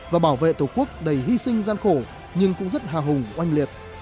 và bảo vệ tổ quốc đầy hy sinh gian khổ nhưng cũng rất hào hùng oanh liệt